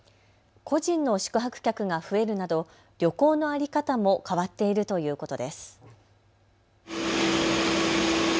個人の宿泊客が増えるなど旅行の在り方も変わっているということです。